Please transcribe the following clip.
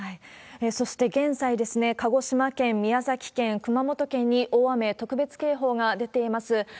そして現在、鹿児島県、宮崎県、熊本県に大雨特別警報が出ています。